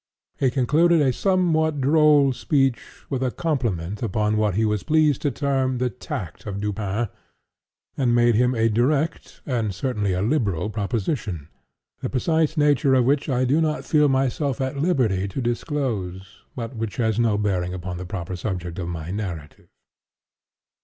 He concluded a somewhat droll speech with a compliment upon what he was pleased to term the tact of Dupin, and made him a direct, and certainly a liberal proposition, the precise nature of which I do not feel myself at liberty to disclose, but which has no bearing upon the proper subject of my narrative.